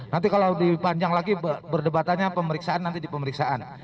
nanti kalau dipanjang lagi berdebatannya pemeriksaan nanti di pemeriksaan